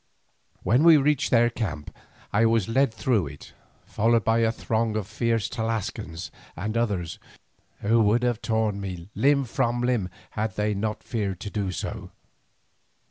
When we reached their camp I was led through it, followed by a throng of fierce Tlascalans and others, who would have torn me limb from limb had they not feared to do so.